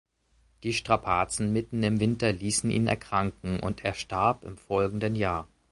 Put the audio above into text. Die Strapazen mitten im Winter ließen ihn erkranken, und er starb im folgenden Jahr.